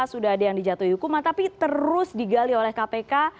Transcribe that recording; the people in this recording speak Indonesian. sudah ada yang dijatuhi hukuman tapi terus digali oleh kpk